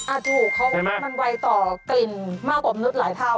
ถูกเพราะมันไวต่อกลิ่นมากกว่ามนุษย์หลายเท่า